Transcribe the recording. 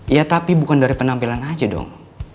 ya tapi bukan dari penampilan aja dong